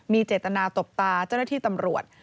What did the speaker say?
มีเจตนาตบตาเจ้าหน้าที่ตำรวจ